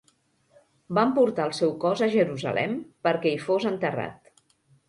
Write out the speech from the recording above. Van portar el seu cos a Jerusalem perquè hi fos enterrat.